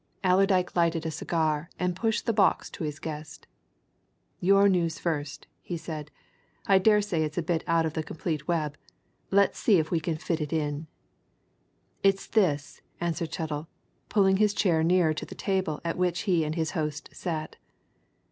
Allerdyke lighted a cigar and pushed the box to his guest. "Your news first," he said. "I daresay it's a bit out of the complete web let's see if we can fit it in." "It's this," answered Chettle, pulling his chair nearer to the table at which he and his host sat.